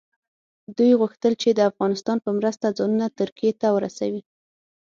دوی غوښتل چې د افغانستان په مرسته ځانونه ترکیې ته ورسوي.